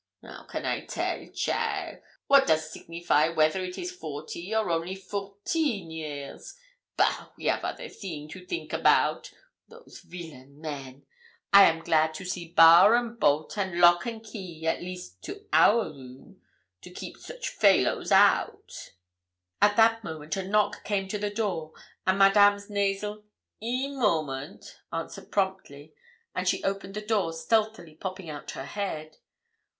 'How can I tell, cheaile? What does signify whether it is forty or only fourteen years? Bah! we av other theeng to theenk about. Those villain men! I am glad to see bar and bolt, and lock and key, at least, to our room, to keep soche faylows out!' At that moment a knock came to the door, and Madame's nasal 'in moment' answered promptly, and she opened the door, stealthily popping out her head.